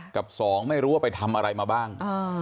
กับสองไม่รู้ว่าไปทำอะไรมาบ้าง